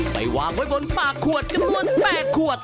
ไปวางไว้บนปากขวดจำนวน๘ขวด